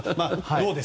どうです？